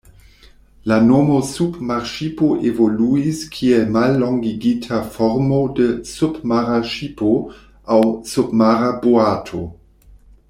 La nomo "submarŝipo" evoluis kiel mallongigita formo de "submara ŝipo" aŭ "submara boato".